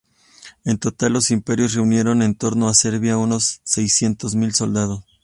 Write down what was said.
En total, los imperios reunieron en torno a serbia unos seiscientos mil soldados.